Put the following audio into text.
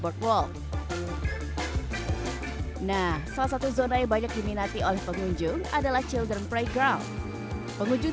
workwall nah salah satu zona yang banyak diminati oleh pengunjung adalah children playground pengunjung